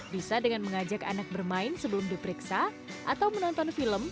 bisa dengan mengajak anak bermain sebelum diperiksa atau menonton film